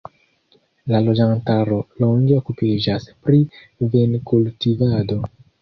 La loĝantaro longe okupiĝas pri vinkultivado.